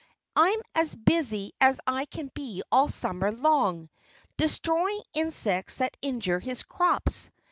I'm as busy as I can be all summer long, destroying insects that injure his crops.